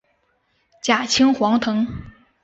假青黄藤